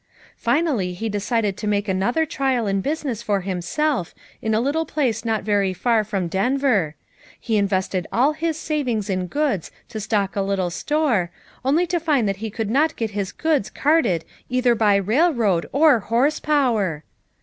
Finally he decided to make an other trial in business for himself in a little place not very far from Denver; he invested all his savings in goods to stock a little store, only to find that he could not get his goods carted either by railroad or horse power!